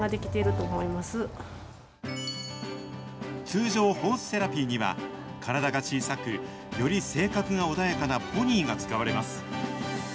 通常、ホースセラピーには、体が小さく、より性格が穏やかなポニーが使われます。